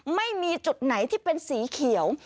ไม่มีจุดไหนที่เป็นสีเขียว